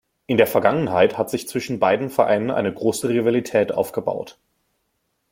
In der Vergangenheit hat sich zwischen beiden Vereinen eine große Rivalität aufgebaut.